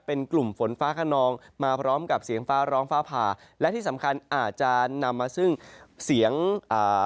เป็นกลุ่มฝนฟ้าขนองมาพร้อมกับเสียงฟ้าร้องฟ้าผ่าและที่สำคัญอาจจะนำมาซึ่งเสียงอ่า